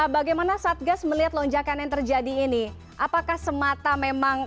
bagaimana satgas melihat lonjakan yang terjadi ini apakah semata memang